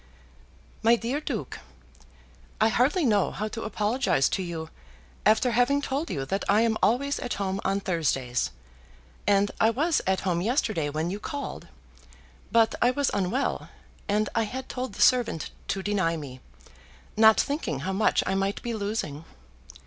MY DEAR DUKE, I hardly know how to apologise to you, after having told you that I am always at home on Thursdays; and I was at home yesterday when you called. But I was unwell, and I had told the servant to deny me, not thinking how much I might be losing.